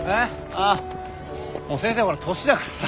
ああもう先生ほら年だからさ。